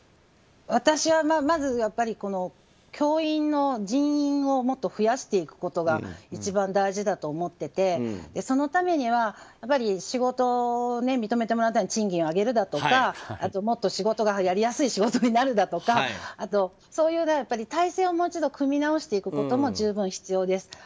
私は、まず教員の人員をもっと増やしていくことが一番大事だと思っていてそのためには仕事を認めてもらったり賃金を上げるだとかもっと仕事がやりやすい仕事になるだとかそういう体制をもう一度組み直していくことが十分必要です。